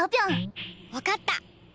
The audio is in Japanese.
わかった！